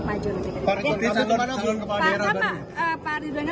kang emil masih di luar doanya ya